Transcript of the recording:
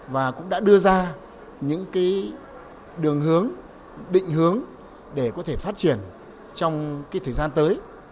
và cũng đã đưa ra những đường hướng định hướng để có thể phát triển trong thời gian tới